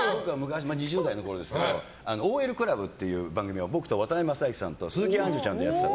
２０代のころですけど「ＯＬクラブ」っていう番組を僕と渡辺正行さんと鈴木杏樹ちゃんでやってた。